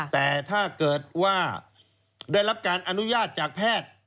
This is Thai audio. แต่ถ้าเกิดว่าได้รับการอนุญาตจากแพทย์